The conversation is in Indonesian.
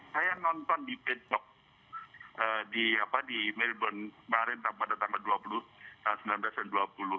saya nonton di pet top di melbourne pada tanggal dua puluh sembilan belas dan dua puluh